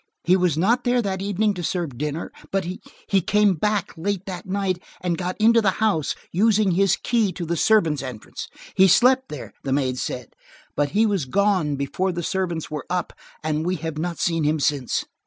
He was not there that evening to serve dinner, but–he came back late that night, and got into the house, using his key to the servants' entrance. He slept there, the maids said, but he was gone before the servants were up and we have not seen him since."